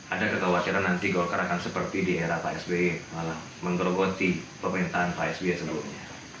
ada kekhawatiran nanti golkar akan seperti di era pak sby malah menggerogoti pemerintahan pak sby sebelumnya